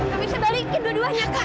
kameisha balikin dua duanya kak